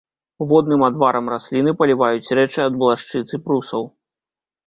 Водным адварам расліны паліваюць рэчы ад блашчыц і прусаў.